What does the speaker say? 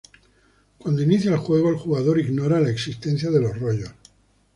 Cuando inicia el juego, el jugador ignora la existencia de los rollos.